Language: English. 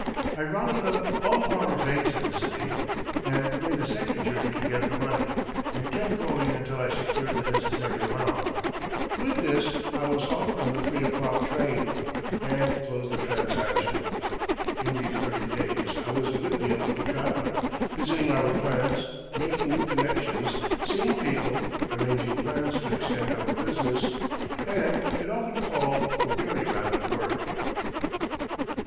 I rounded up all of our banks in the city, and made a second journey to get the money, and kept going until I secured the necessary amount. With this I was off on the three o'clock train, and closed the transaction. In these early days I was a good deal of a traveller, visiting our plants, making new connections, seeing people, arranging plans to extend our business and it often called for very rapid work.